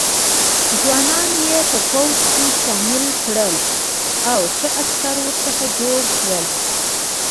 ځوانان یې په پوځ کې شامل کړل او ښه عسکر ورڅخه جوړ شول.